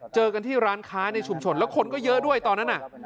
เจอกันที่ร้านค้าในชุมชนแล้วคนก็เยอะด้วยตอนนั้นน่ะ